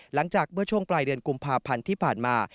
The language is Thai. หลังจากเมื่อช่วงปลายเดือนกุมภาพันธ์ที่ผ่านมา